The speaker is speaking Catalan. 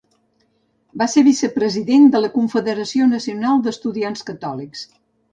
Va ser vicepresident de la Confederació Nacional d'Estudiants Catòlics.